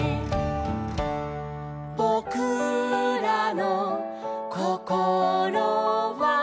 「ボクらのこころは」